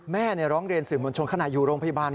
แม่ร้องเรียนสื่อมวลชนขณะอยู่โรงพยาบาล